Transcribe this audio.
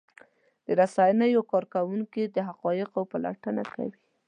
د رسنیو کارکوونکي د حقایقو پلټنه کوي.